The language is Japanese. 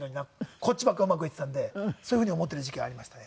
こっちばっかりうまくいっていたんでそういうふうに思っている時期がありましたね。